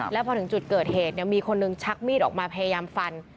แล้วพอถึงจุดเกิดเหตุมีคนหนึ่งชักมีดออกมาพยายามฟัน